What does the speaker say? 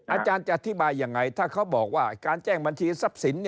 อาจารย์จะอธิบายยังไงถ้าเขาบอกว่าการแจ้งบัญชีทรัพย์สิน